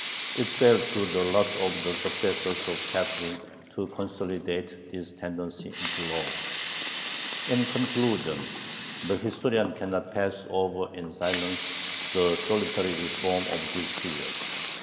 It fell to the lot of the successors of Catherine to consolidate this tendency into law. In conclusion, the historian cannot pass over in silence the solitary "reform" of this period.